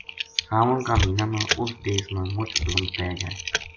ساون کا مہینہ ما اس دیس ما مُچ دھُند پے جائے